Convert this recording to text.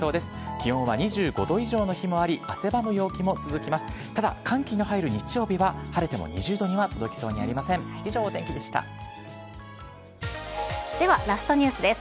気温は２５度以上の日もあり、汗ばむ陽気も続きます。